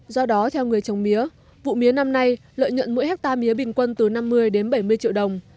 do đó theo người trồng mía vụ mía năm nay lợi nhuận mỗi hectare mía bình quân từ năm mươi đến bảy mươi triệu đồng